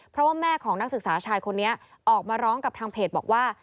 เพราะว่าแม่ของนักศึกษาชายคนนี้ออกมาร้องกับทางเพจบอกว่า